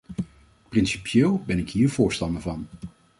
Principieel ben ik hier voorstander van.